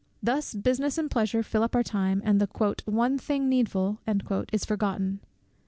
Thus business and pleasure fill up our time, and the "one thing needful," is forgotten.